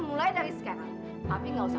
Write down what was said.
mulai dari sekarang papi gak usah